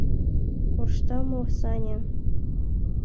Коршта мо, Саня?